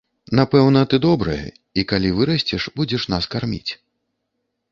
Напэўна, ты добрае, і, калі вырасцеш, будзеш нас карміць.